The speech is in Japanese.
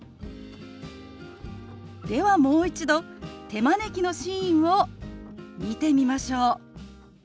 ではもう一度手招きのシーンを見てみましょう。